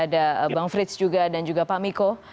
ada bang frits juga dan juga pak miko